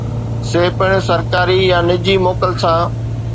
سي پڻ سرڪاري يا نجي موڪل سان